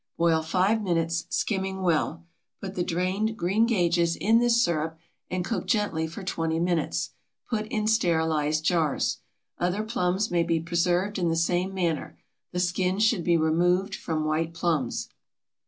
Boil five minutes, skimming well. Put the drained green gages in this sirup and cook gently for twenty minutes. Put in sterilized jars. Other plums may be preserved in the same manner. The skins should be removed from white plums.